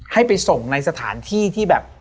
ให้ไปส่งในสถานที่ที่แบบ